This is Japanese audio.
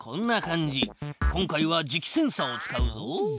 今回は磁気センサを使うぞ。